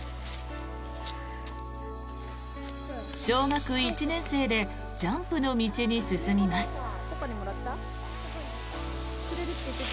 小学１年生でジャンプの道に進みます。